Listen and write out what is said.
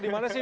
di mana sih